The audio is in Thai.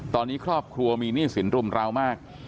ตอนนี้ครอบครัวมีหนี้สินรุมราวมาก